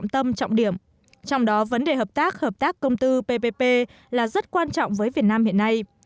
trong đó vấn đề hợp tác hợp tác công tư ppp là rất quan trọng với việt nam hiện nay